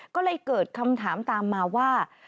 ก็เลยเกิดคำถามตามมาว่า